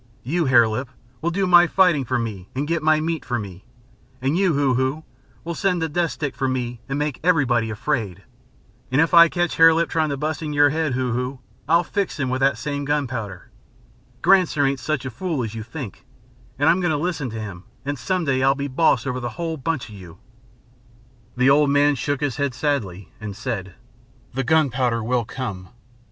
You, Hare Lip, will do my fighting for me and get my meat for me, and you, Hoo Hoo, will send the death stick for me and make everybody afraid. And if I catch Hare Lip trying to bust your head, Hoo Hoo, I'll fix him with that same gunpowder. Granser ain't such a fool as you think, and I'm going to listen to him and some day I'll be boss over the whole bunch of you." The old man shook his head sadly, and said: "The gunpowder will come.